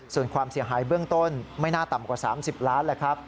ส่วนความเสียหายเบื้องต้นไม่น่าต่ำกว่า๓๐ล้านแหละครับ